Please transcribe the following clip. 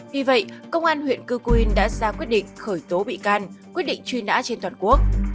vì vậy công an huyện cư quyên đã ra quyết định khởi tố bị can quyết định truy nã trên toàn quốc